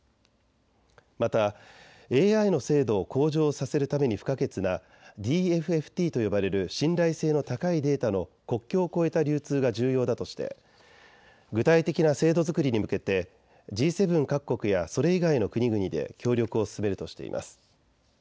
またＡＩの精度を向上させるために不可欠なＤＦＦＴと呼ばれる信頼性の高いデータの国境を越えた流通が重要だとして具体的な制度作りに向けてＧ７各国やそれ以外の国々で協力を進めるとしています。